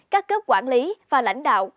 các cấp quản lý và lãnh đạo